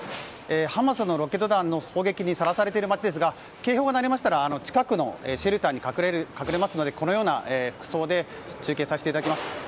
ハマスのロケット弾の攻撃にさらされている街ですが警報が鳴りましたら近くのシェルターに隠れますのでこのような服装で中継させていただきます。